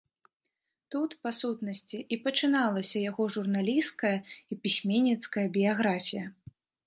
Тут, па сутнасці, і пачыналася яго журналісцкая і пісьменніцкая біяграфія.